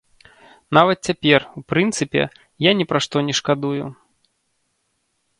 Нават цяпер, у прынцыпе, я ні пра што не шкадую.